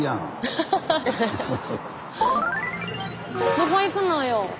どこ行くのよ？